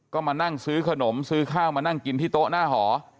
ก็มานั่งซื้อขนมซื้อข้าวมานั่งกินที่โต๊ะหน้าหอ